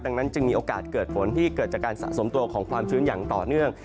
ดังนั้นจึงมีโอกาสเกิดฝนที่เกิดจากการสะสมตัวของความชื้นอย่างต่อเนื่อง